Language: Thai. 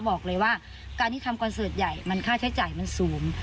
บอกเลยว่าการที่ทำคอนเสิร์ตใหญ่มันค่าใช้จ่ายมันสูง